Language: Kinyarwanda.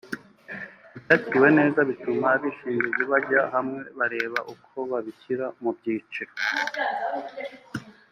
ntibyakiriwe neza bituma abishingizi bajya hamwe bareba uko babishyira mu byiciro